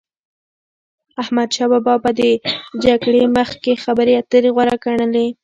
احمدشا بابا به د جګړی مخکي خبري اتري غوره ګڼلې.